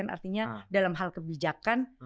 artinya dalam hal kebijakan